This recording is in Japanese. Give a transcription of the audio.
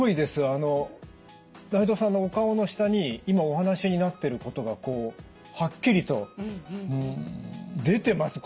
あの内藤さんのお顔の下に今お話しになってることがこうはっきりと出てます